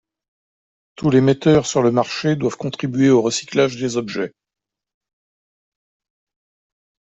Tous les metteurs sur le marché doivent contribuer au recyclage des objets.